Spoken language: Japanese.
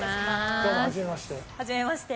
どうもはじめまして。